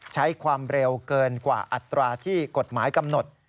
ใช้ความเร็วเกินกว่าอัตราที่กฎหมายกำหนด